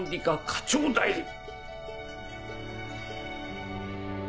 課長代理。